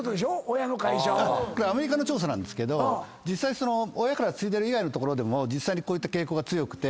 これアメリカの調査なんですけど親から継いでる以外の所でも実際にこういった傾向が強くて。